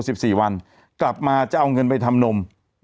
หรือ๑๔วันเกลับมาจะเอาเงินไปทำนม